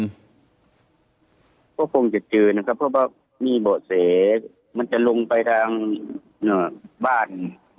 ก็คงจะเจอนะครับเพราะว่ามีเบาะแสมันจะลงไปทางบ้าน